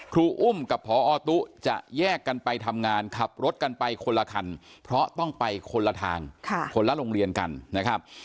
ครูอุ้มกับพอตุ๊จะแยกกันไปทำงานขับรถกันไปคนละคันเพราะต้องไปคนละทางคนละโรงเรียนกันนะครับ